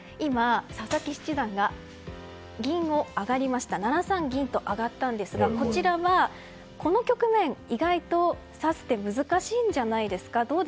佐々木七段が７三銀と上がったんですがこちらは、この局面意外と指す手が難しいんじゃないですか？